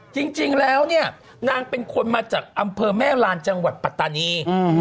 จริงแล้วเนี่ยนางเป็นคนมาจากอำเภอแม่ลานจังหวัดปัตตานี